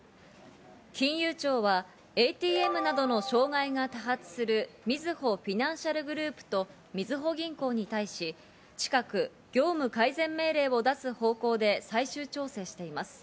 金融庁はＡＴＭなどの障害が多発するみずほフィナンシャルグループとみずほ銀行に対し、近く業務改善命令を出す方向で最終調整しています。